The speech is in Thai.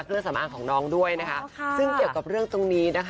เครื่องสำอางของน้องด้วยนะคะซึ่งเกี่ยวกับเรื่องตรงนี้นะคะ